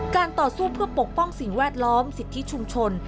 ต่อสู้เพื่อปกป้องสิ่งแวดล้อมสิทธิชุมชน